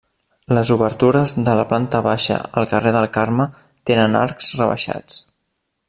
Les obertures de la planta baixa al carrer del Carme tenen arcs rebaixats.